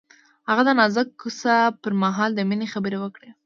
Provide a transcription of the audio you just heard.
هغه د نازک کوڅه پر مهال د مینې خبرې وکړې.